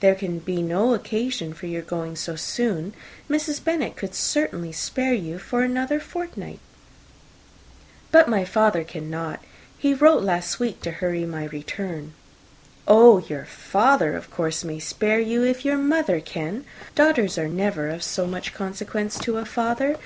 There can be no occasion for your going so soon. Mrs. Bennet could certainly spare you for another fortnight." "But my father cannot. He wrote last week to hurry my return." [Illustration: "Dawson" [Copyright 1894 by George Allen.]] "Oh, your father, of course, may spare you, if your mother can. Daughters are never of so much consequence to a father.